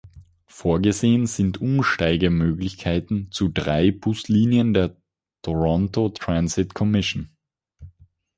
Vorgesehen sind Umsteigemöglichkeiten zu drei Buslinien der Toronto Transit Commission.